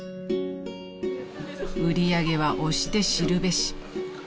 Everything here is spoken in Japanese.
［売り上げは推して知るべし］